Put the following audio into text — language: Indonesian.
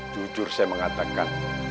jujur saya mengatakan